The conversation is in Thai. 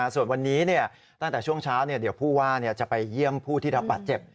ส่วนวันนี้ตั้งแต่ช่วงเช้าเดี๋ยวผู้ว่าจะไปเยี่ยมผู้ที่รับบาดเจ็บ